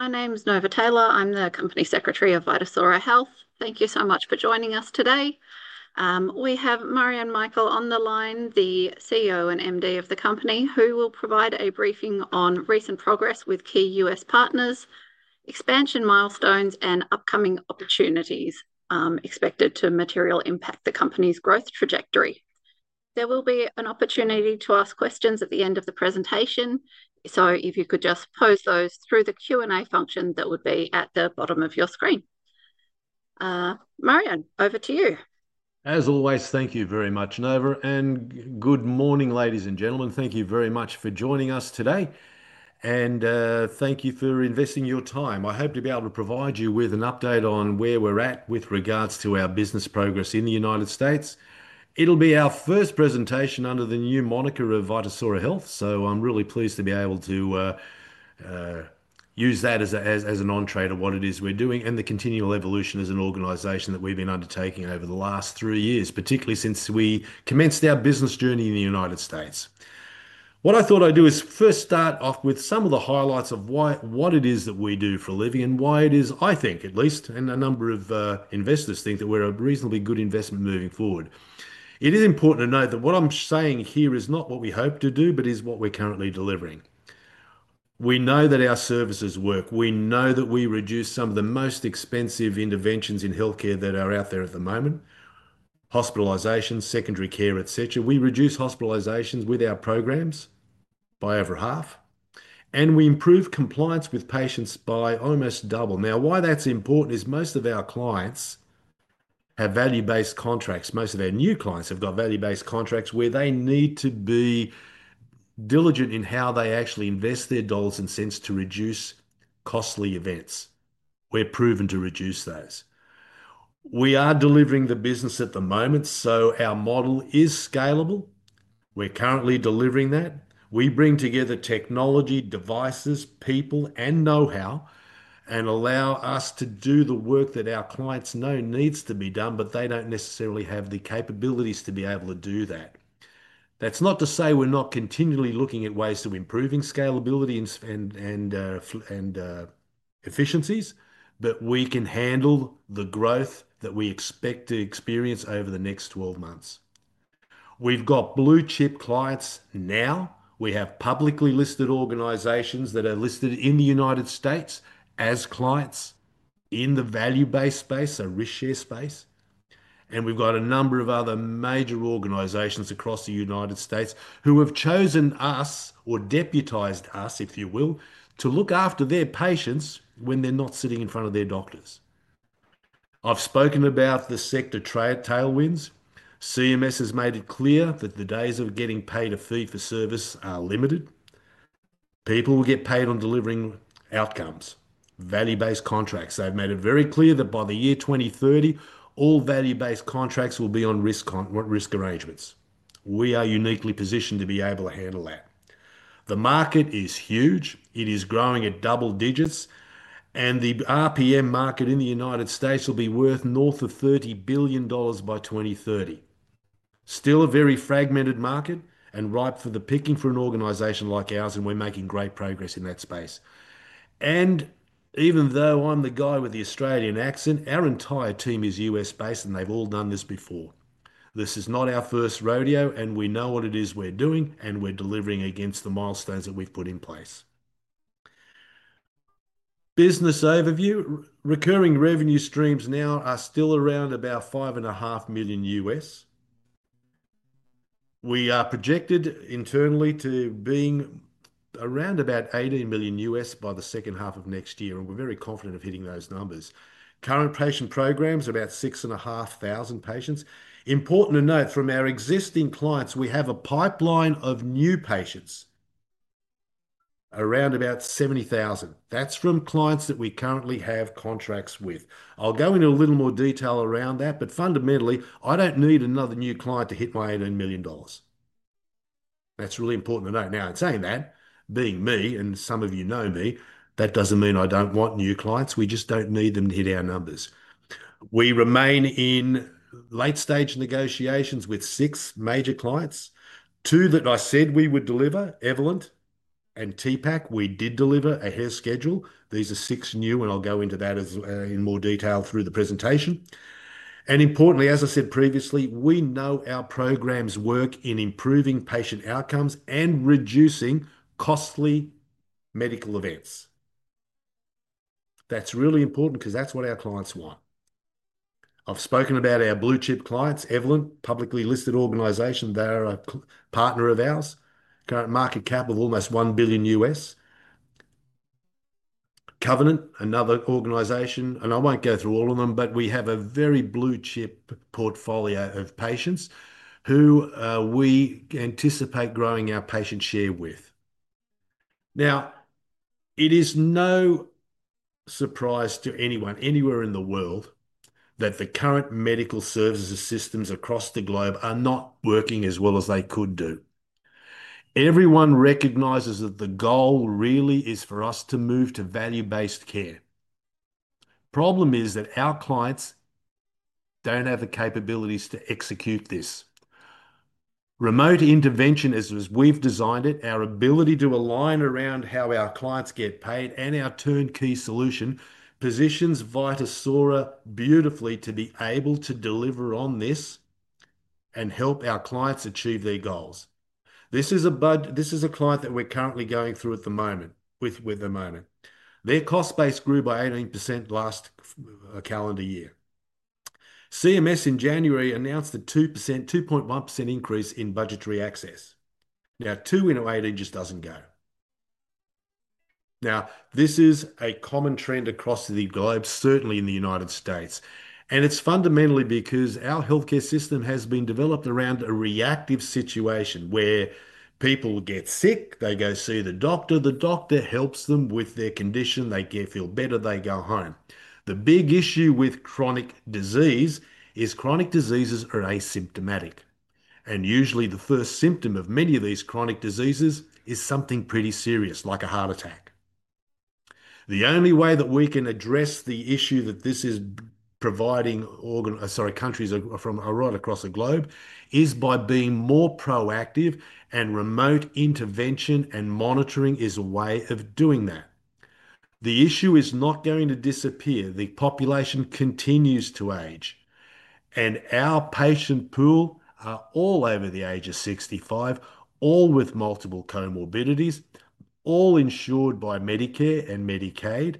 My name is Nova Taylor. I'm the Company Secretary of Vitasora Health. Thank you so much for joining us today. We have Marjan Mikel on the line, the CEO and MD of the company, who will provide a briefing on recent progress with key U.S. partners, expansion milestones, and upcoming opportunities expected to material impact the company's growth trajectory. There will be an opportunity to ask questions at the end of the presentation, so if you could just pose those through the Q&A function that would be at the bottom of your screen. Marianne, over to you. As always, thank you very much, Nova, and good morning, ladies and gentlemen. Thank you very much for joining us today, and thank you for investing your time. I hope to be able to provide you with an update on where we're at with regards to our business progress in the United States. It'll be our first presentation under the new moniker of Vitasora Health, so I'm really pleased to be able to use that as an entree to what it is we're doing and the continual evolution as an organization that we've been undertaking over the last three years, particularly since we commenced our business journey in the United States. What I thought I'd do is first start off with some of the highlights of what it is that we do for a living and why it is, I think at least, and a number of investors think that we're a reasonably good investment moving forward. It is important to note that what I'm saying here is not what we hope to do, but is what we're currently delivering. We know that our services work. We know that we reduce some of the most expensive interventions in healthcare that are out there at the moment: hospitalizations, secondary care, etc. We reduce hospitalizations with our programs by over half, and we improve compliance with patients by almost double. Now, why that's important is most of our clients have value-based contracts. Most of our new clients have got value-based contracts where they need to be diligent in how they actually invest their dollars and cents to reduce costly events. We're proven to reduce those. We are delivering the business at the moment, so our model is scalable. We're currently delivering that. We bring together technology, devices, people, and know-how and allow us to do the work that our clients know needs to be done, but they do not necessarily have the capabilities to be able to do that. That is not to say we're not continually looking at ways of improving scalability and efficiencies, but we can handle the growth that we expect to experience over the next 12 months. We've got blue-chip clients now. We have publicly listed organizations that are listed in the United States as clients in the value-based space, a risk-share space. We have a number of other major organizations across the United States who have chosen us or deputized us, if you will, to look after their patients when they're not sitting in front of their doctors. I've spoken about the sector tailwinds. CMS has made it clear that the days of getting paid a fee for service are limited. People will get paid on delivering outcomes, value-based contracts. They've made it very clear that by the year 2030, all value-based contracts will be on risk arrangements. We are uniquely positioned to be able to handle that. The market is huge. It is growing at double digits, and the RPM market in the United States will be worth north of $30 billion by 2030. Still a very fragmented market and ripe for the picking for an organization like ours, and we're making great progress in that space. Even though I'm the guy with the Australian accent, our entire team is U.S.-based, and they've all done this before. This is not our first rodeo, and we know what it is we're doing, and we're delivering against the milestones that we've put in place. Business overview: recurring revenue streams now are still around about $5.5 million. We are projected internally to being around about $18 million. by the second half of next year, and we're very confident of hitting those numbers. Current patient programs are about 6,500 patients. Important to note, from our existing clients, we have a pipeline of new patients, around about 70,000. That's from clients that we currently have contracts with. I'll go into a little more detail around that, but fundamentally, I don't need another new client to hit my $18 million. That's really important to note. Now, in saying that, being me and some of you know me, that doesn't mean I don't want new clients. We just don't need them to hit our numbers. We remain in late-stage negotiations with six major clients. Two that I said we would deliver, Evolent and TPAC, we did deliver ahead of schedule. These are six new, and I'll go into that in more detail through the presentation. Importantly, as I said previously, we know our programs work in improving patient outcomes and reducing costly medical events. That's really important because that's what our clients want. I've spoken about our blue-chip clients, Evolent, publicly listed organization. They're a partner of ours, current market cap of almost $1 billion. Covenant, another organization, and I won't go through all of them, but we have a very blue-chip portfolio of patients who we anticipate growing our patient share with. Now, it is no surprise to anyone anywhere in the world that the current medical services systems across the globe are not working as well as they could do. Everyone recognizes that the goal really is for us to move to value-based care. Problem is that our clients don't have the capabilities to execute this. Remote intervention, as we've designed it, our ability to align around how our clients get paid and our turnkey solution positions Vitasora beautifully to be able to deliver on this and help our clients achieve their goals. This is a client that we're currently going through at the moment. Their cost base grew by 18% last calendar year. CMS in January announced a 2.1% increase in budgetary access. Now, two in 18 just doesn't go. This is a common trend across the globe, certainly in the United States. It's fundamentally because our healthcare system has been developed around a reactive situation where people get sick, they go see the doctor, the doctor helps them with their condition, they feel better, they go home. The big issue with chronic disease is chronic diseases are asymptomatic. Usually, the first symptom of many of these chronic diseases is something pretty serious, like a heart attack. The only way that we can address the issue that this is providing countries from right across the globe is by being more proactive, and remote intervention and monitoring is a way of doing that. The issue is not going to disappear. The population continues to age. Our patient pool are all over the age of 65, all with multiple comorbidities, all insured by Medicare and Medicaid,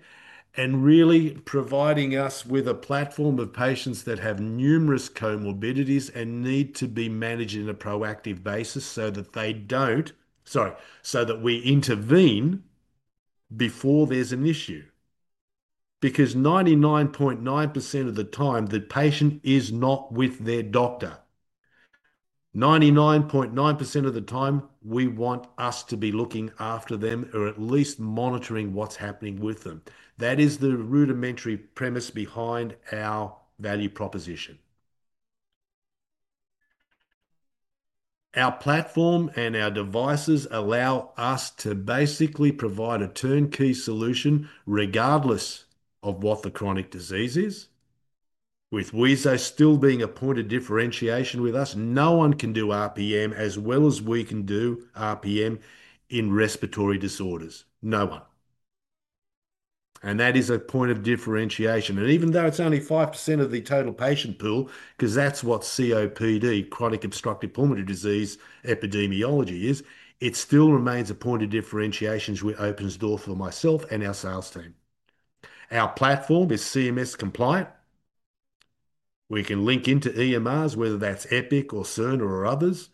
and really providing us with a platform of patients that have numerous comorbidities and need to be managed on a proactive basis so that they do not—sorry, so that we intervene before there is an issue. Because 99.9% of the time, the patient is not with their doctor. 99.9% of the time, we want us to be looking after them or at least monitoring what is happening with them. That is the rudimentary premise behind our value proposition. Our platform and our devices allow us to basically provide a turnkey solution regardless of what the chronic disease is. With wheezo still being a point of differentiation with us, no one can do RPM as well as we can do RPM in respiratory disorders. No one. That is a point of differentiation. Even though it's only 5% of the total patient pool, because that's what COPD, Chronic Obstructive Pulmonary Disease epidemiology is, it still remains a point of differentiation which opens the door for myself and our sales team. Our platform is CMS compliant. We can link into EMRs, whether that's Epic or Cerner or others.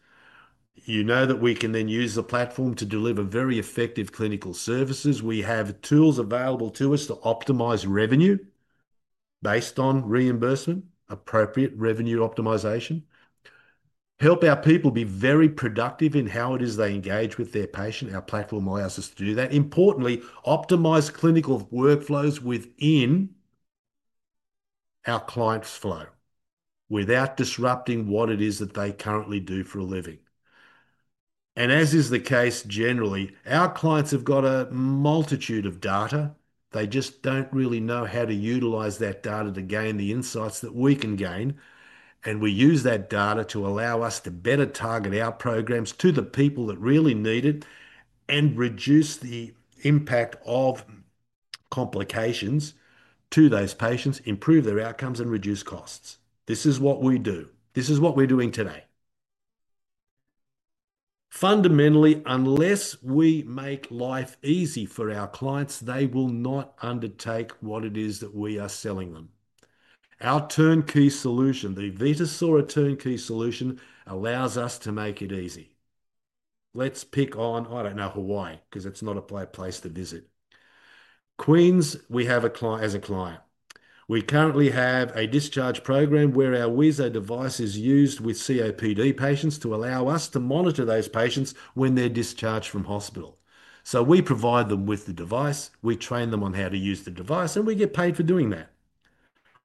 You know that we can then use the platform to deliver very effective clinical services. We have tools available to us to optimize revenue based on reimbursement, appropriate revenue optimization, help our people be very productive in how it is they engage with their patient. Our platform allows us to do that. Importantly, optimize clinical workflows within our client's flow without disrupting what it is that they currently do for a living. As is the case generally, our clients have got a multitude of data. They just do not really know how to utilize that data to gain the insights that we can gain. We use that data to allow us to better target our programs to the people that really need it and reduce the impact of complications to those patients, improve their outcomes, and reduce costs. This is what we do. This is what we are doing today. Fundamentally, unless we make life easy for our clients, they will not undertake what it is that we are selling them. Our turnkey solution, the Vitasora turnkey solution, allows us to make it easy. Let's pick on—I do not know Hawaii because it is not a place to visit. Queen's, we have as a client. We currently have a discharge program where our wheezo device is used with COPD patients to allow us to monitor those patients when they are discharged from hospital. We provide them with the device. We train them on how to use the device, and we get paid for doing that.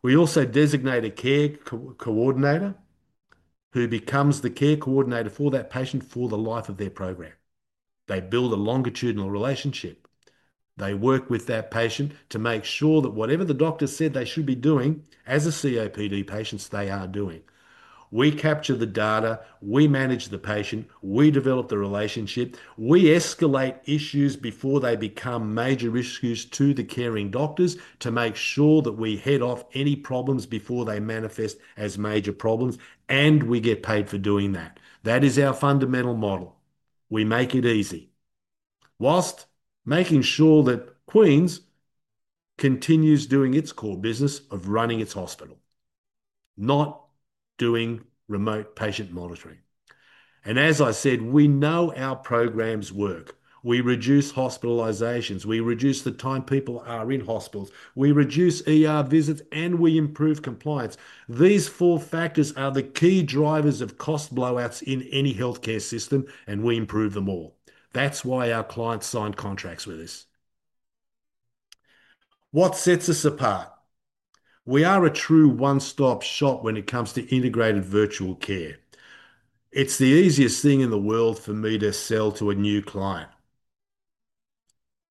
We also designate a care coordinator who becomes the care coordinator for that patient for the life of their program. They build a longitudinal relationship. They work with that patient to make sure that whatever the doctor said they should be doing as a COPD patient, they are doing. We capture the data. We manage the patient. We develop the relationship. We escalate issues before they become major issues to the caring doctors to make sure that we head off any problems before they manifest as major problems, and we get paid for doing that. That is our fundamental model. We make it easy whilst making sure that Queen's continues doing its core business of running its hospital, not doing remote patient monitoring. As I said, we know our programs work. We reduce hospitalizations. We reduce the time people are in hospitals. We reduce visits, and we improve compliance. These four factors are the key drivers of cost blowouts in any healthcare system, and we improve them all. That's why our clients sign contracts with us. What sets us apart? We are a true one-stop shop when it comes to integrated virtual care. It's the easiest thing in the world for me to sell to a new client.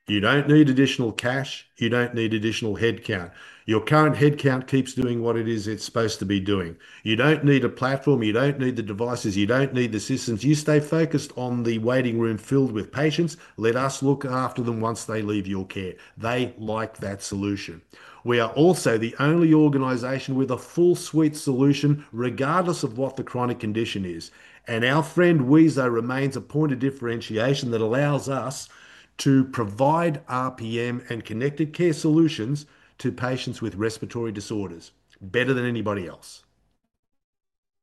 You don't need additional cash. You don't need additional headcount. Your current headcount keeps doing what it is it's supposed to be doing. You don't need a platform. You don't need the devices. You don't need the systems. You stay focused on the waiting room filled with patients. Let us look after them once they leave your care. They like that solution. We are also the only organization with a full-suite solution regardless of what the chronic condition is. Our friend wheezo remains a point of differentiation that allows us to provide RPM and connected care solutions to patients with respiratory disorders better than anybody else.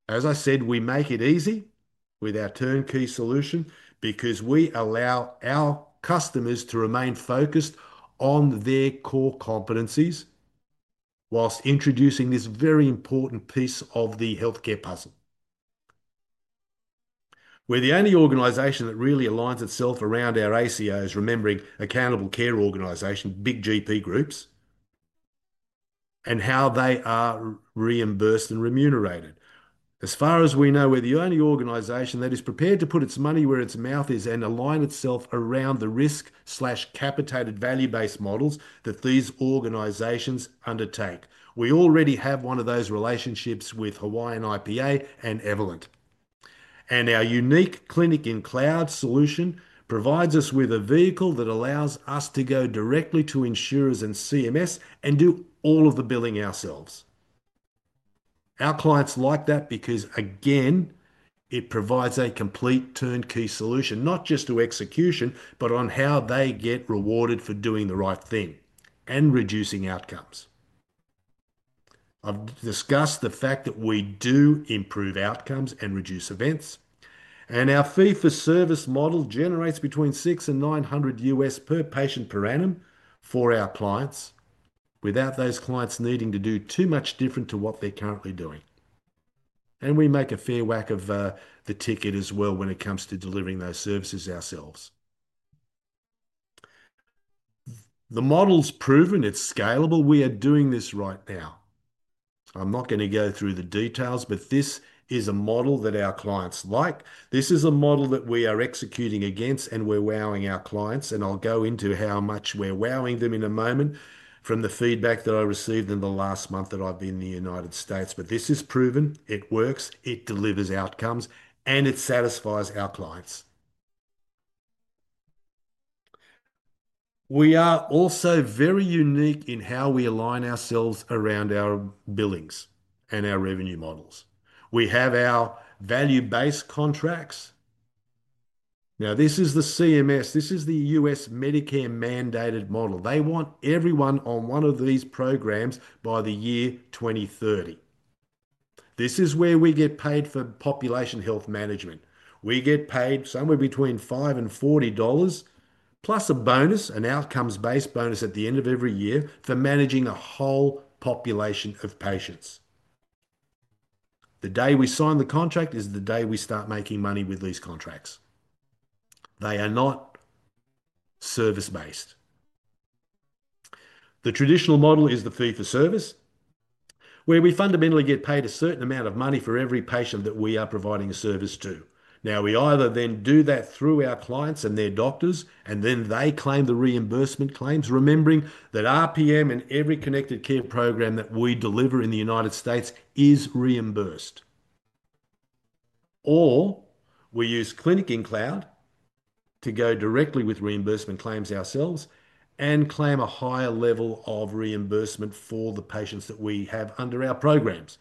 As I said, we make it easy with our turnkey solution because we allow our customers to remain focused on their core competencies whilst introducing this very important piece of the healthcare puzzle. We are the only organization that really aligns itself around our ACOs, remembering Accountable Care Organization, big GP groups, and how they are reimbursed and remunerated. As far as we know, we are the only organization that is prepared to put its money where its mouth is and align itself around the risk/capitated value-based models that these organizations undertake. We already have one of those relationships with Hawaiin IPA and Evolent. Our unique clinic-in-cloud solution provides us with a vehicle that allows us to go directly to insurers and CMS and do all of the billing ourselves. Our clients like that because, again, it provides a complete turnkey solution, not just to execution, but on how they get rewarded for doing the right thing and reducing outcomes. I have discussed the fact that we do improve outcomes and reduce events. Our fee-for-service model generates between $600 and $900 per patient per annum for our clients without those clients needing to do too much different to what they are currently doing. We make a fair whack of the ticket as well when it comes to delivering those services ourselves. The model is proven. It is scalable. We are doing this right now. I am not going to go through the details, but this is a model that our clients like. This is a model that we are executing against, and we're wowing our clients. I'll go into how much we're wowing them in a moment from the feedback that I received in the last month that I've been in the United States. This is proven. It works. It delivers outcomes, and it satisfies our clients. We are also very unique in how we align ourselves around our billings and our revenue models. We have our value-based contracts. Now, this is the CMS. This is the U.S. Medicare mandated model. They want everyone on one of these programs by the year 2030. This is where we get paid for population health management. We get paid somewhere between $5 and $40, plus a bonus, an outcomes-based bonus at the end of every year for managing a whole population of patients. The day we sign the contract is the day we start making money with these contracts. They are not service-based. The traditional model is the fee-for-service, where we fundamentally get paid a certain amount of money for every patient that we are providing a service to. Now, we either then do that through our clients and their doctors, and then they claim the reimbursement claims, remembering that RPM and every connected care program that we deliver in the United States is reimbursed. Or we use clinic-in-cloud to go directly with reimbursement claims ourselves and claim a higher level of reimbursement for the patients that we have under our programs.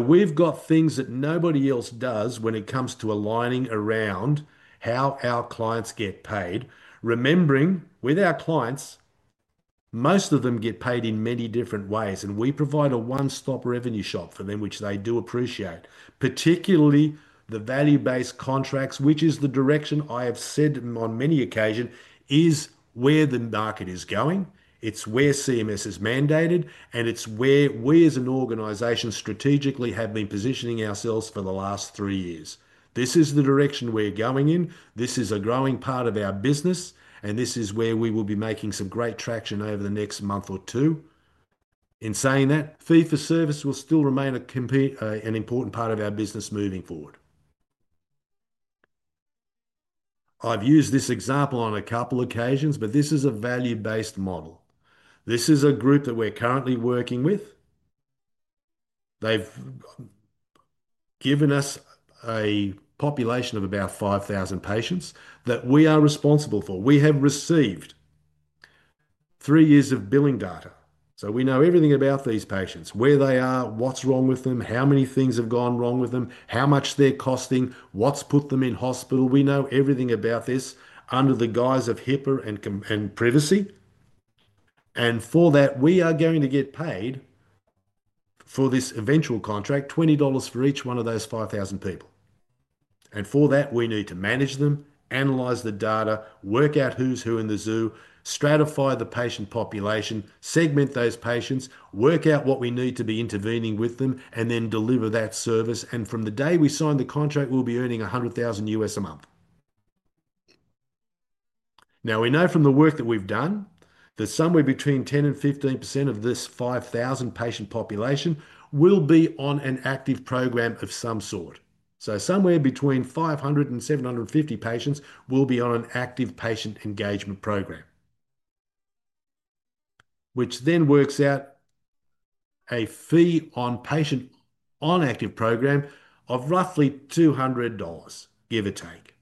We've got things that nobody else does when it comes to aligning around how our clients get paid, remembering with our clients, most of them get paid in many different ways, and we provide a one-stop revenue shop for them, which they do appreciate, particularly the value-based contracts, which is the direction I have said on many occasions is where the market is going. It is where CMS is mandated, and it is where we, as an organization, strategically have been positioning ourselves for the last three years. This is the direction we are going in. This is a growing part of our business, and this is where we will be making some great traction over the next month or two. In saying that, fee-for-service will still remain an important part of our business moving forward. I have used this example on a couple of occasions, but this is a value-based model. This is a group that we're currently working with. They've given us a population of about 5,000 patients that we are responsible for. We have received three years of billing data. We know everything about these patients, where they are, what's wrong with them, how many things have gone wrong with them, how much they're costing, what's put them in hospital. We know everything about this under the guise of HIPAA and privacy. For that, we are going to get paid for this eventual contract, $20 for each one of those 5,000 people. For that, we need to manage them, analyze the data, work out who's who in the zoo, stratify the patient population, segment those patients, work out what we need to be intervening with them, and then deliver that service. From the day we sign the contract, we'll be earning $100,000 a month. Now, we know from the work that we've done that somewhere between 10% and 15% of this 5,000 patient population will be on an active program of some sort. So somewhere between 500 and 750 patients will be on an active patient engagement program, which then works out a fee on patient on active program of roughly $200, give or take.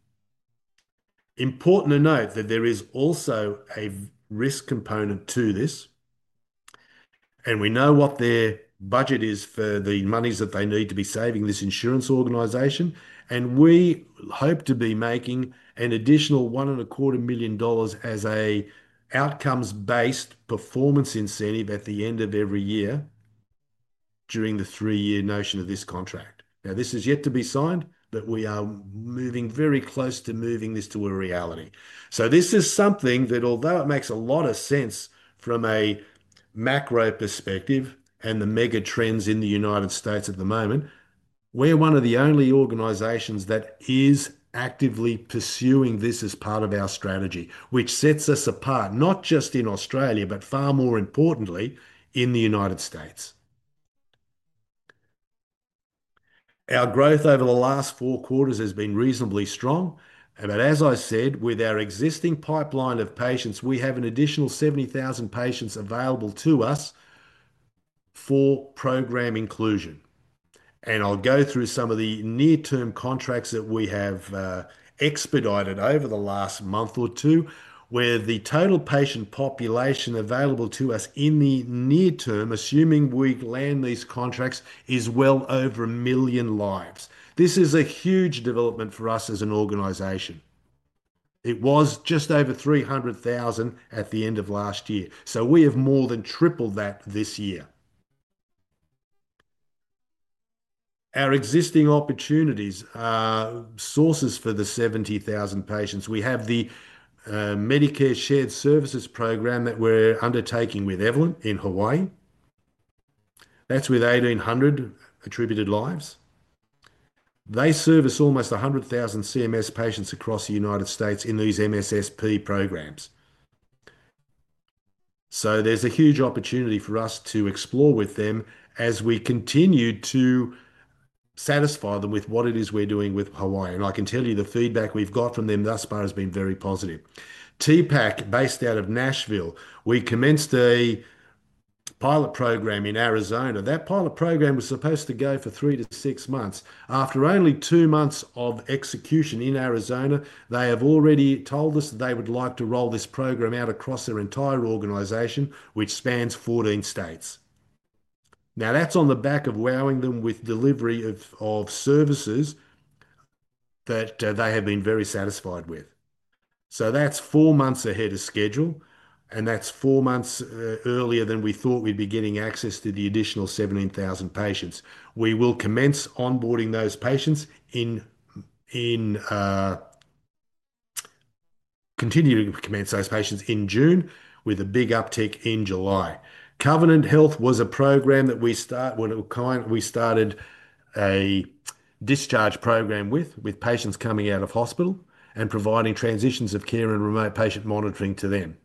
Important to note that there is also a risk component to this. We know what their budget is for the monies that they need to be saving this insurance organization. We hope to be making an additional $1.25 million as an outcomes-based performance incentive at the end of every year during the three-year notion of this contract. This has yet to be signed, but we are moving very close to moving this to a reality. This is something that, although it makes a lot of sense from a macro perspective and the mega trends in the U.S. at the moment, we're one of the only organizations that is actively pursuing this as part of our strategy, which sets us apart, not just in Australia, but far more importantly, in the U.S. Our growth over the last four quarters has been reasonably strong. As I said, with our existing pipeline of patients, we have an additional 70,000 patients available to us for program inclusion. I'll go through some of the near-term contracts that we have expedited over the last month or two, where the total patient population available to us in the near term, assuming we land these contracts, is well over a million lives. This is a huge development for us as an organization. It was just over 300,000 at the end of last year. We have more than tripled that this year. Our existing opportunities are sources for the 70,000 patients. We have the Medicare Shared Services Program that we're undertaking with Evolent in Hawaii. That's with 1,800 attributed lives. They service almost 100,000 CMS patients across the United States in these MSSP programs. There is a huge opportunity for us to explore with them as we continue to satisfy them with what it is we're doing with Hawaii. I can tell you the feedback we've got from them thus far has been very positive. TPAC, based out of Nashville, we commenced a pilot program in Arizona. That pilot program was supposed to go for three to six months. After only two months of execution in Arizona, they have already told us they would like to roll this program out across their entire organization, which spans 14 states. Now, that's on the back of wowing them with delivery of services that they have been very satisfied with. That is four months ahead of schedule, and that is four months earlier than we thought we'd be getting access to the additional 17,000 patients. We will commence onboarding those patients and continue to commence those patients in June with a big uptick in July. Covenant Health was a program that we started when we started a discharge program with patients coming out of hospital and providing transitions of care and remote patient monitoring to them.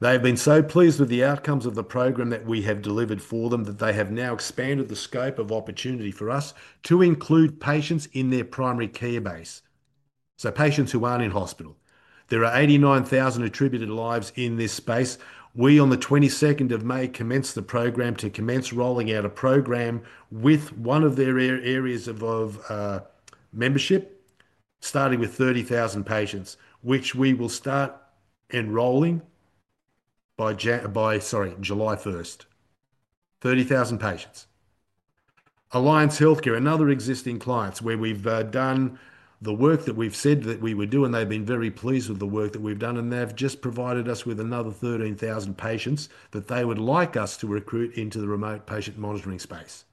They've been so pleased with the outcomes of the program that we have delivered for them that they have now expanded the scope of opportunity for us to include patients in their primary care base. Patients who aren't in hospital. There are 89,000 attributed lives in this space. We, on the 22nd of May, commenced the program to commence rolling out a program with one of their areas of membership, starting with 30,000 patients, which we will start enrolling by, sorry, July 1st. 30,000 patients. Alliance Healthcare, another existing client where we've done the work that we've said that we would do, and they've been very pleased with the work that we've done, and they've just provided us with another 13,000 patients that they would like us to recruit into the remote patient monitoring space.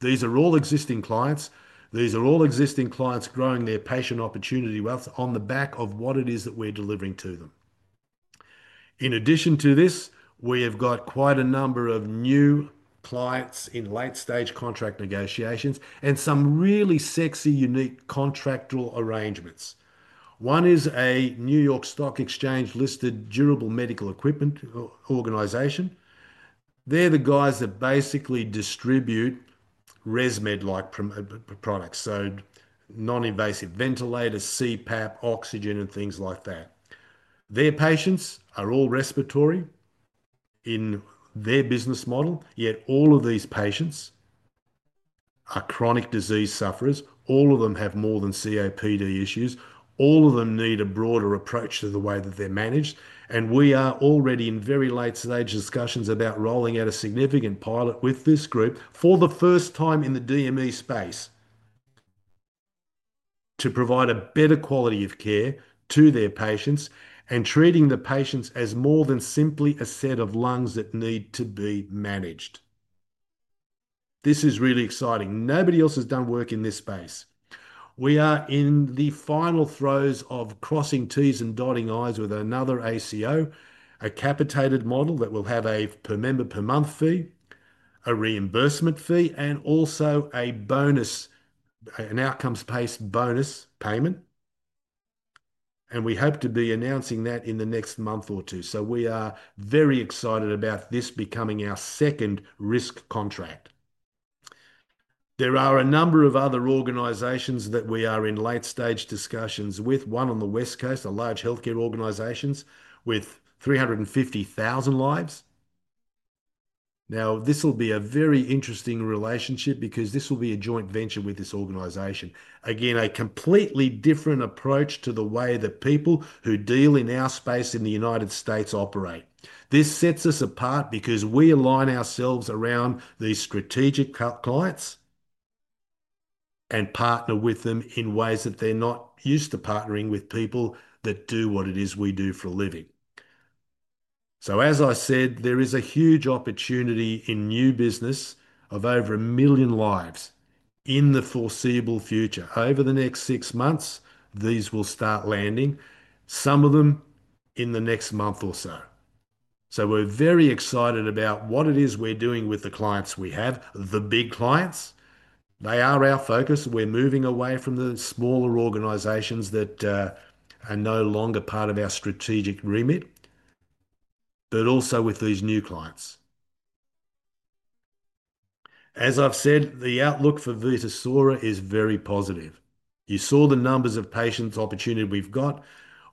These are all existing clients. These are all existing clients growing their patient opportunity wealth on the back of what it is that we're delivering to them. In addition to this, we have got quite a number of new clients in late-stage contract negotiations and some really sexy, unique contractual arrangements. One is a New York Stock Exchange-listed durable medical equipment organization. They're the guys that basically distribute Resmed-like products, so non-invasive ventilators, CPAP, oxygen, and things like that. Their patients are all respiratory in their business model, yet all of these patients are chronic disease sufferers. All of them have more than COPD issues. All of them need a broader approach to the way that they're managed. We are already in very late-stage discussions about rolling out a significant pilot with this group for the first time in the DME space to provide a better quality of care to their patients and treating the patients as more than simply a set of lungs that need to be managed. This is really exciting. Nobody else has done work in this space. We are in the final throes of crossing T's and dotting I's with another ACO, a capitated model that will have a per member per month fee, a reimbursement fee, and also a bonus, an outcomes-based bonus payment. We hope to be announcing that in the next month or two. We are very excited about this becoming our second risk contract. There are a number of other organizations that we are in late-stage discussions with, one on the West Coast, a large healthcare organization with 350,000 lives. Now, this will be a very interesting relationship because this will be a joint venture with this organization. Again, a completely different approach to the way that people who deal in our space in the United States operate. This sets us apart because we align ourselves around these strategic clients and partner with them in ways that they're not used to partnering with people that do what it is we do for a living. As I said, there is a huge opportunity in new business of over a million lives in the foreseeable future. Over the next six months, these will start landing, some of them in the next month or so. We're very excited about what it is we're doing with the clients we have, the big clients. They are our focus. We're moving away from the smaller organizations that are no longer part of our strategic remit, but also with these new clients. As I've said, the outlook for Vitasora is very positive. You saw the numbers of patients opportunity we've got.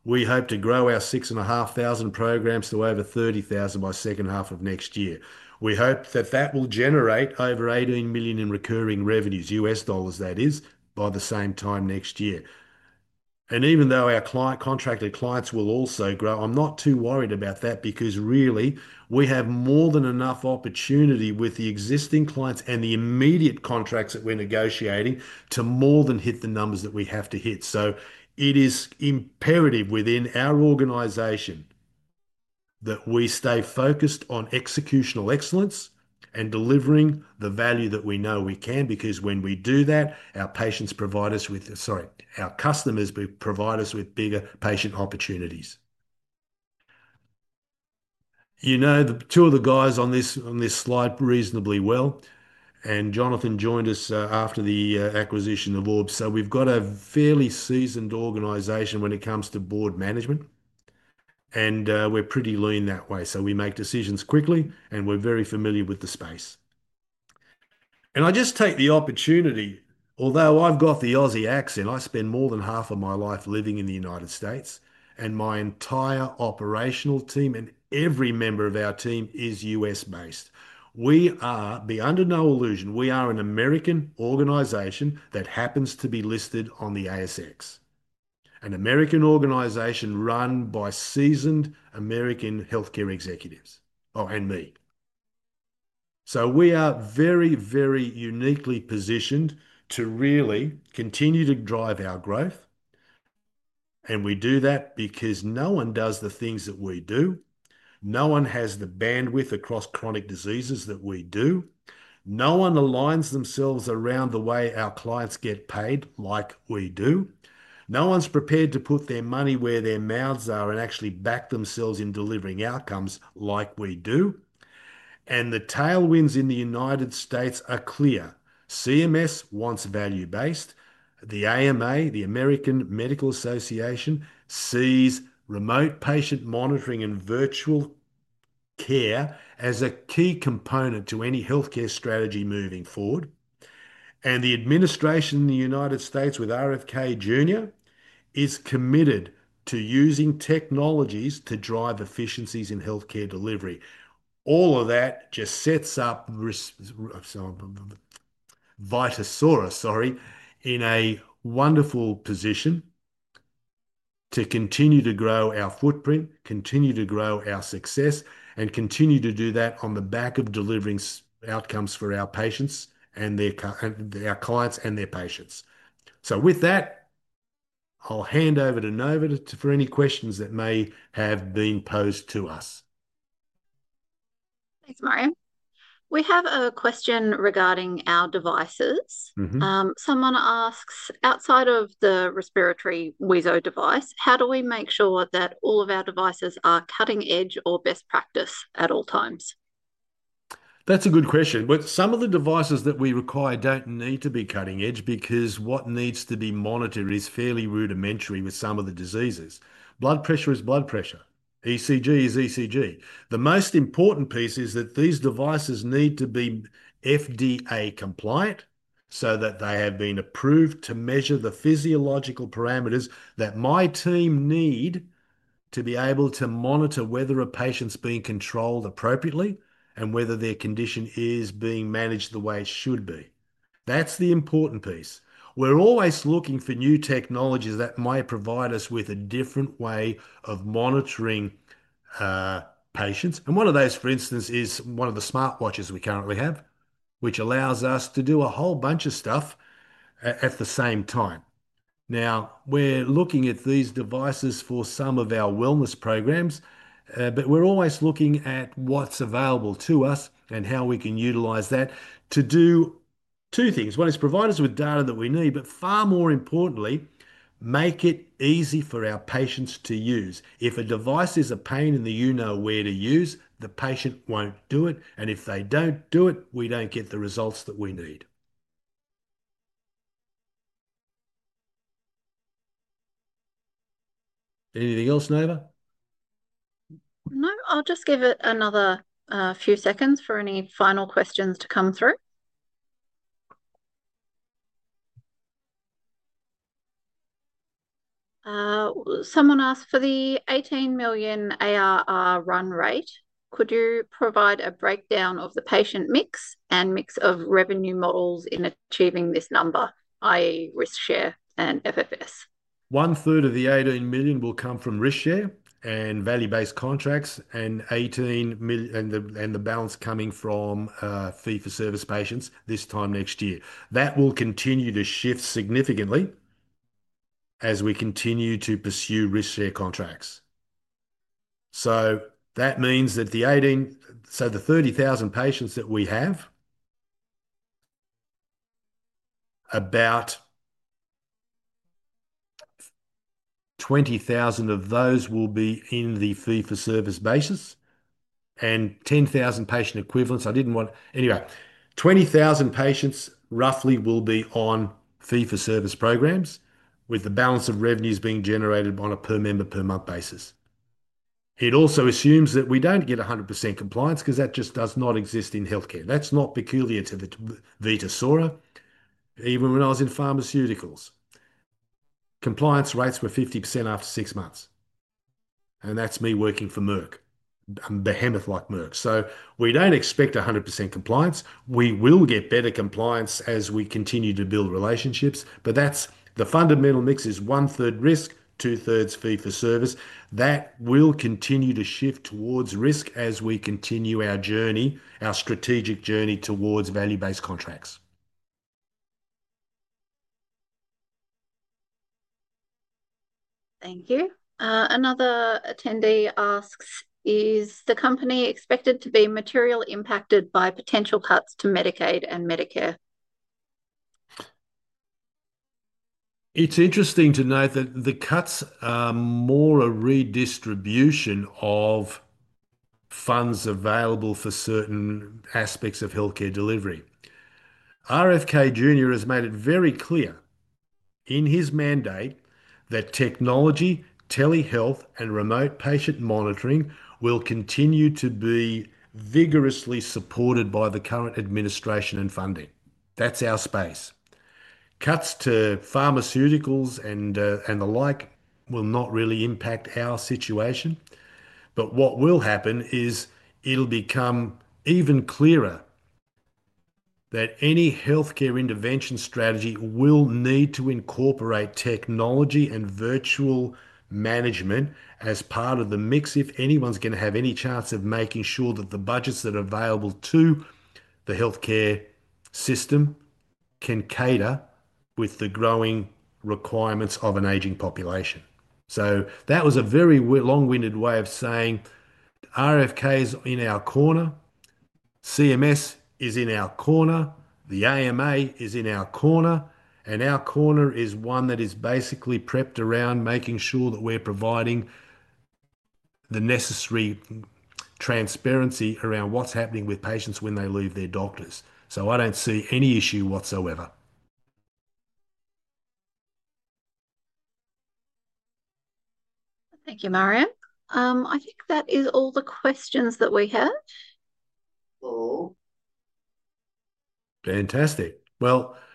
We hope to grow our 6,500 programs to over 30,000 by the second half of next year. We hope that that will generate over $18 million in recurring revenues, U.S. dollars, that is, by the same time next year. Even though our contracted clients will also grow, I'm not too worried about that because really we have more than enough opportunity with the existing clients and the immediate contracts that we're negotiating to more than hit the numbers that we have to hit. It is imperative within our organization that we stay focused on executional excellence and delivering the value that we know we can because when we do that, our patients provide us with, sorry, our customers provide us with bigger patient opportunities. You know the two of the guys on this slide reasonably well, and Jonathan joined us after the acquisition of Orb. We have a fairly seasoned organization when it comes to board management, and we're pretty lean that way. We make decisions quickly, and we're very familiar with the space. I just take the opportunity, although I've got the Aussie accent, I spend more than half of my life living in the United States, and my entire operational team and every member of our team is U.S. based. We are, beyond no illusion, we are an American organization that happens to be listed on the ASX, an American organization run by seasoned American healthcare executives, oh, and me. We are very, very uniquely positioned to really continue to drive our growth. We do that because no one does the things that we do. No one has the bandwidth across chronic diseases that we do. No one aligns themselves around the way our clients get paid like we do. No one's prepared to put their money where their mouths are and actually back themselves in delivering outcomes like we do. The tailwinds in the United States are clear. CMS wants value-based. The AMA, the American Medical Association, sees remote patient monitoring and virtual care as a key component to any healthcare strategy moving forward. The administration in the United States with RFK Jr. is committed to using technologies to drive efficiencies in healthcare delivery. All of that just sets up Vitasora in a wonderful position to continue to grow our footprint, continue to grow our success, and continue to do that on the back of delivering outcomes for our patients and our clients and their patients. With that, I'll hand over to Nova for any questions that may have been posed to us. Thanks, Marjan. We have a question regarding our devices. Someone asks, outside of the respiratory wheezo device, how do we make sure that all of our devices are cutting-edge or best practice at all times? That's a good question. Some of the devices that we require don't need to be cutting-edge because what needs to be monitored is fairly rudimentary with some of the diseases. Blood pressure is blood pressure. ECG is ECG. The most important piece is that these devices need to be FDA compliant so that they have been approved to measure the physiological parameters that my team need to be able to monitor whether a patient's being controlled appropriately and whether their condition is being managed the way it should be. That's the important piece. We're always looking for new technologies that might provide us with a different way of monitoring patients. One of those, for instance, is one of the smartwatches we currently have, which allows us to do a whole bunch of stuff at the same time. Now, we're looking at these devices for some of our wellness programs, but we're always looking at what's available to us and how we can utilize that to do two things. One is provide us with data that we need, but far more importantly, make it easy for our patients to use. If a device is a pain in the, you know, where to use, the patient won't do it. If they don't do it, we don't get the results that we need. Anything else, Nova? No. I'll just give it another few seconds for any final questions to come through. Someone asked for the $18 million ARR run rate. Could you provide a breakdown of the patient mix and mix of revenue models in achieving this number, i.e., risk share and FFS? One third of the $18 million will come from risk share and value-based contracts and $18 million and the balance coming from fee-for-service patients this time next year. That will continue to shift significantly as we continue to pursue risk share contracts. That means that the 18, so the 30,000 patients that we have, about 20,000 of those will be in the fee-for-service basis and 10,000 patient equivalents. I did not want anyway, 20,000 patients roughly will be on fee-for-service programs with the balance of revenues being generated on a per member per month basis. It also assumes that we do not get 100% compliance because that just does not exist in healthcare. That is not peculiar to Vitasora. Even when I was in pharmaceuticals, compliance rates were 50% after six months. That's me working for Merck, a behemoth like Merck. We do not expect 100% compliance. We will get better compliance as we continue to build relationships. The fundamental mix is one third risk, two thirds fee-for-service. That will continue to shift towards risk as we continue our journey, our strategic journey towards value-based contracts. Thank you. Another attendee asks, is the company expected to be materially impacted by potential cuts to Medicaid and Medicare? It's interesting to note that the cuts are more a redistribution of funds available for certain aspects of healthcare delivery. RFK Jr. has made it very clear in his mandate that technology, telehealth, and remote patient monitoring will continue to be vigorously supported by the current administration and funding. That's our space. Cuts to pharmaceuticals and the like will not really impact our situation. What will happen is it'll become even clearer that any healthcare intervention strategy will need to incorporate technology and virtual management as part of the mix if anyone's going to have any chance of making sure that the budgets that are available to the healthcare system can cater with the growing requirements of an aging population. That was a very long-winded way of saying RFK Jr. is in our corner, CMS is in our corner, the AMA is in our corner, and our corner is one that is basically prepped around making sure that we're providing the necessary transparency around what's happening with patients when they leave their doctors. I don't see any issue whatsoever. Thank you, Marjan. I think that is all the questions that we have. Fantastic.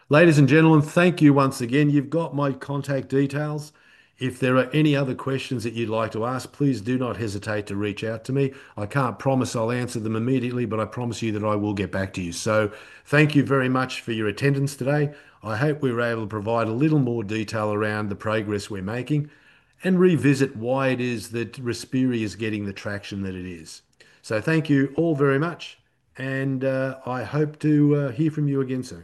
Ladies and gentlemen, thank you once again. You have my contact details. If there are any other questions that you would like to ask, please do not hesitate to reach out to me. I cannot promise I will answer them immediately, but I promise you that I will get back to you. Thank you very much for your attendance today. I hope we were able to provide a little more detail around the progress we are making and revisit why it is that Vitasora is getting the traction that it is. Thank you all very much, and I hope to hear from you again soon.